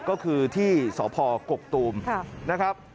ก็คือที่สพกกตูมนะครับ